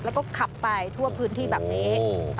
แล้วก็ขับไปทั่วพื้นที่แบบนี้